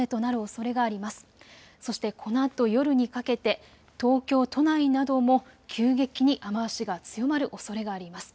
そしてこのあと夜にかけて東京都内なども急激に雨足が強まるおそれがあります。